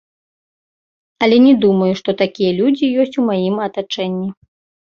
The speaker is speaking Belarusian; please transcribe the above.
Але не думаю, што такія людзі ёсць у маім атачэнні.